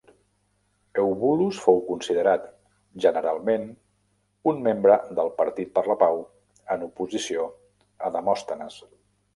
Eubulus fou considerat generalment un membre del "partit per la pau", en oposició a Demòstenes.